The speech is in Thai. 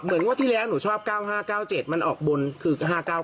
เหมือนว่าที่แรกหนูชอบ๙๕๙๗มันออกบนคือ๕๙๙๕